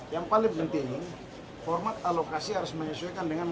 yang paling penting format alokasi harus menyesuaikan dengan